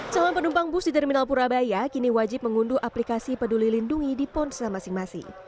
calon penumpang bus di terminal purabaya kini wajib mengunduh aplikasi peduli lindungi di ponsel masing masing